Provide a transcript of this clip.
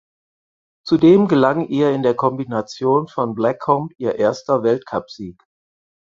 Zudem gelang ihr in der Kombination von Blackcomb ihr erster Weltcupsieg.